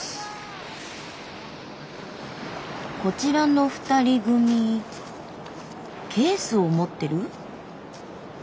こちらの２人組ケースを持ってる？